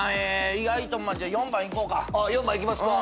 「意外と４番いこうか」「４番いきますか」